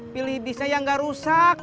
pilih bisnya yang nggak rusak